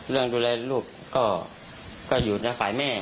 เรื่องดูแลลูกก็อยู่ในฝ่ายแม่